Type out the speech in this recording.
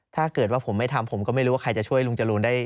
ถ้าเกิดว่าผมไม่ทำผมก็ไม่รู้ว่าใครจะช่วยลุงจรูนได้